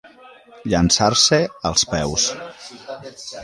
Llançar-se als peus.